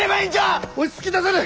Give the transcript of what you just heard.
落ち着きなされ！